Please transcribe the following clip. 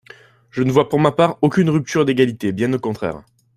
Je ne vois, pour ma part, aucune rupture d’égalité, bien au contraire.